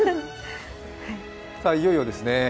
いよいよですね。